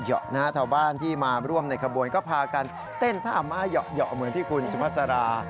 ชาวบ้านที่มาร่วมในขบวนก็พากันเต้นท่าอาม่าเหยาะเหมือนที่คุณสุภาษารา